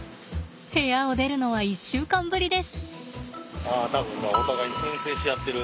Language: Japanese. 部屋を出るのは１週間ぶりです。